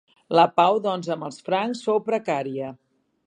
La pau doncs amb els francs fou precària.